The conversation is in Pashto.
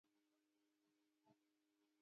استاده ایا اوبه په درې واړو حالتونو کې کیدای شي